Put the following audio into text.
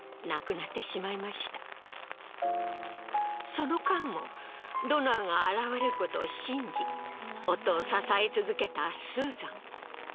その間もドナーが現れることを信じ夫を支え続けたスーザン。